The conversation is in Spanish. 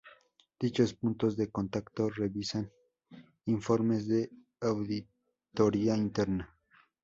Dichos puntos de contacto revisan informes de auditoría interna.